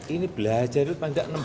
ini belajar itu panjang enam bulan